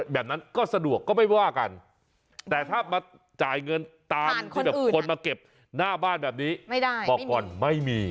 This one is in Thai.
แบบนั้นก็สะดวกก็ไม่ว่ากันแต่ถ้ามาจ่ายเงินตามที่แบบคนมาเก็บหน้าบ้านแบบนี้ไม่ได้บอกก่อนไม่มี